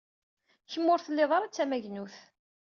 Kemm ur tellid ara d tamagnut.